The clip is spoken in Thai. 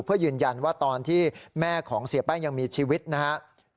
เพื่อยืนยันว่าตอนที่แม่ของเสียแป้งยังมีชีวิตนะครับ